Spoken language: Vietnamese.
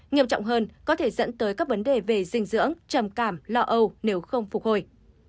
nghiêm trọng hơn có thể dẫn tới các vấn đề về dinh dưỡng trầm cảm lo âu nếu không phục hồi